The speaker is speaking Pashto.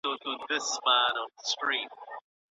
دا له جماع څخه کنايه ده.